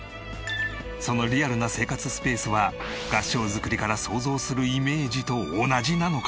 そのリアルな生活スペースは合掌造りから想像するイメージと同じなのか？